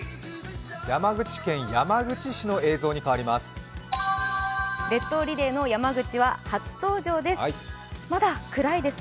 山口県山口市の映像に変わります。